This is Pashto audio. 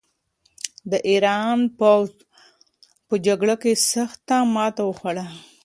د ایران پوځ په جګړه کې سخته ماته وخوړه.